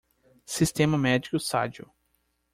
Sistema médico sadio